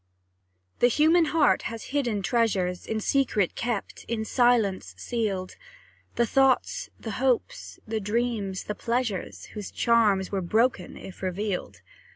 The human heart has hidden treasures, In secret kept, in silence sealed; The thoughts, the hopes, the dreams, the pleasures, Whose charms were broken if revealed.